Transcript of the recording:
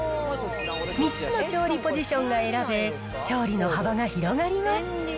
３つの調理ポジションが選べ、調理の幅が広がります。